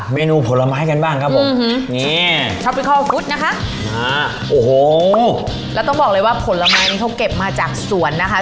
เมนูผลไม้กันบ้างครับผมเนี้ยนะคะอ่าโอ้โหแล้วต้องบอกเลยว่าผลไม้นี่เขาเก็บมาจากสวนนะคะ